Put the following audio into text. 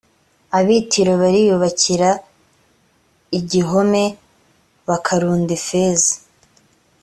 ab i tiro bariyubakira igihome bakarunda ifeza